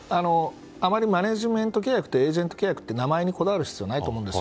あまりマネジメント契約とエージェント契約という名前にこだわる必要はないと思うんです。